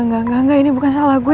nggak nggak nggak ini bukan salah gue